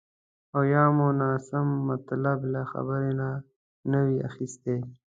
او یا مو ناسم مطلب له خبرې نه وي اخیستی